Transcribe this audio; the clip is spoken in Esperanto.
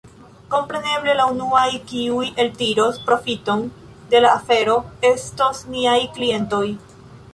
Kompreneble la unuaj, kiuj eltiros profiton de la afero, estos niaj klientoj.